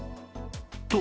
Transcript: と